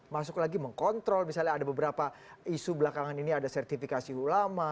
masuk lagi mengkontrol misalnya ada beberapa isu belakangan ini ada sertifikasi ulama